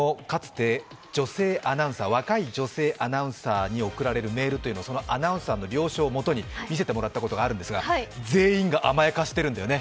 私も、若い女性アナウンサーに送られるメールそのアナウンサーの了承のもとに見せてもらったことがあるんですが全員が甘やかしているんだよね。